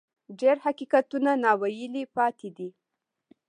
ډېر حقیقتونه ناویلي پاتې دي.